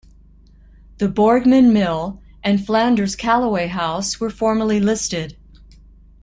The Borgmann Mill and Flanders Callaway House were formerly listed.